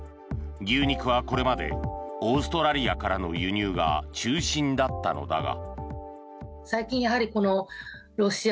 牛肉はこれまでオーストラリアからの輸入が中心だったのだが。